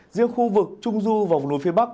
riêng khu vực trung du và vùng núi phía bắc